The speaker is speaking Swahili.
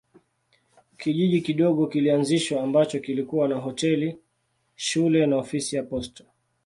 Kijiji kidogo kilianzishwa ambacho kilikuwa na hoteli, shule na ofisi ya posta.